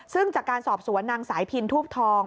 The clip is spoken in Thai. ซึ่งจากการสอบสวนนางสายพินทูบทอง